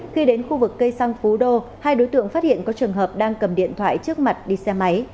khi đến khu vực cây xăng phú đô hai đối tượng phát hiện có trường hợp đang cầm điện thoại trước mặt đi xe máy